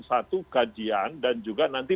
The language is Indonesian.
satu kajian dan juga nanti